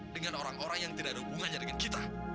dengan orang orang yang tidak ada hubungannya dengan kita